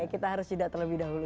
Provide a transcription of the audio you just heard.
kita harus jeda terlebih dahulu